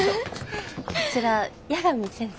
こちら八神先生。